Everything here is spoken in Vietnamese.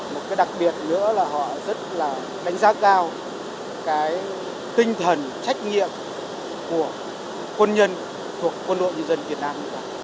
một cái đặc biệt nữa là họ rất là đánh giá cao cái tinh thần trách nhiệm của quân nhân thuộc quân đội nhân dân việt nam